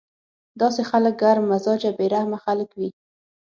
داسې خلک ګرم مزاجه بې رحمه خلک وي